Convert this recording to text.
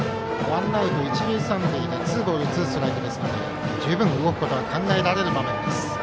ワンアウト一塁三塁でツーボールツーストライクですので十分動くことは考えられる場面。